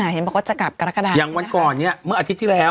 เห็นบอกว่าจะกลับกรกฎาอย่างวันก่อนเนี่ยเมื่ออาทิตย์ที่แล้ว